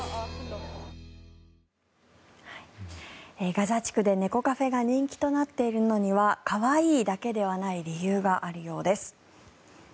ガザ地区で猫カフェが人気となっているのには可愛いだけではない理由があるようです。